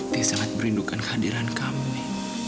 dia sangat merindukan kehadiran kamu wi